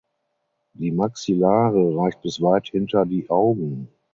Die Maxillare reicht bis weit hinter die Augen.